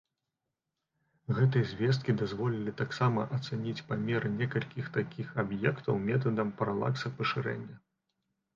Гэтыя звесткі дазволілі таксама ацаніць памеры некалькіх такіх аб'ектаў метадам паралакса пашырэння.